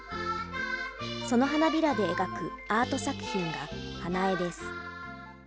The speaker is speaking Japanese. その花びらで描くアート作品が花絵です。